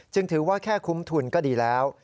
ถือว่าแค่คุ้มทุนก็ดีแล้ว